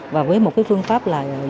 và với một phương pháp